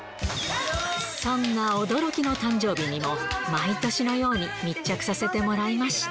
そんな驚きの誕生日にも、毎年のように密着させてもらいました。